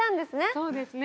そうですね。